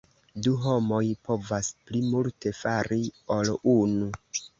Du homoj povas pli multe fari ol unu.